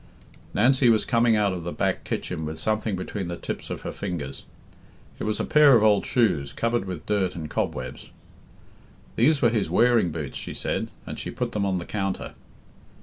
Nancy was coming out of the back kitchen with something between the tips of her fingers. It was a pair of old shoes, covered with dirt and cobwebs. "These were his wearing boots," she said, and she put them on the counter.